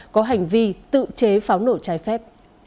có hành vi tự chế pháo nổ trái phép